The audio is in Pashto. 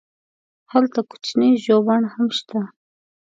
هلته کوچنی ژوبڼ هم شته.